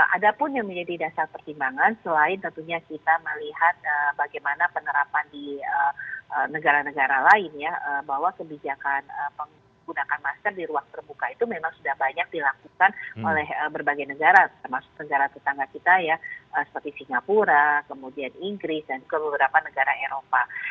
ada pun yang menjadi dasar pertimbangan selain tentunya kita melihat bagaimana penerapan di negara negara lain ya bahwa kebijakan penggunakan masker di ruang terbuka itu memang sudah banyak dilakukan oleh berbagai negara termasuk negara tetangga kita ya seperti singapura kemudian inggris dan kemudian beberapa negara eropa